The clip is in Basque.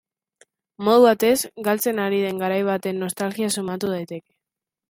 Modu batez, galtzen ari den garai baten nostalgia sumatu daiteke.